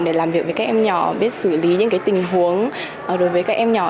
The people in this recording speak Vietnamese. để làm việc với các em nhỏ biết xử lý những tình huống đối với các em nhỏ